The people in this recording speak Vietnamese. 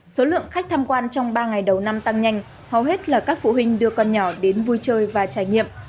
số lượng khách tham quan trong ba ngày đầu năm tăng nhanh hầu hết là các phụ huynh đưa con nhỏ đến vui chơi và trải nghiệm